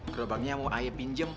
gerobangnya mau ayah pinjem